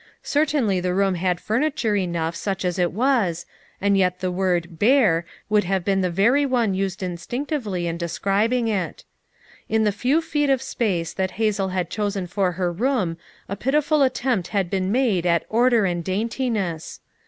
Cer tainly the room had furniture enough such as 100 FOUR MOTHERS AT CHAUTAUQUA it was, and yet the word "bare" would have been the very one used instinctively in describ ing it. In the few feet of space that Hazel had chosen for her room a pitiful attempt had been made at order and daintiness.